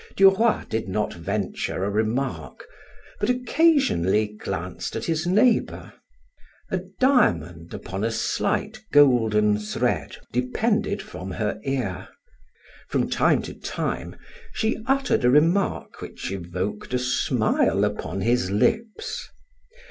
Duroy did not venture a remark, but occasionally glanced at his neighbor. A diamond upon a slight, golden thread depended from her ear; from time to time she uttered a remark which evoked a smile upon his lips.